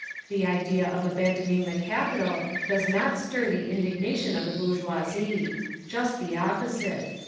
The idea of abandoning the capital does not stir the indignation of the bourgeoisie. Just the opposite.